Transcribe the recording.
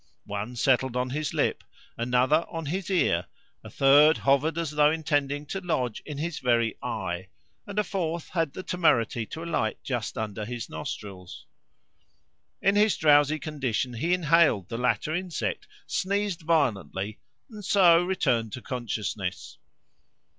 One settled on his lip, another on his ear, a third hovered as though intending to lodge in his very eye, and a fourth had the temerity to alight just under his nostrils. In his drowsy condition he inhaled the latter insect, sneezed violently, and so returned to consciousness.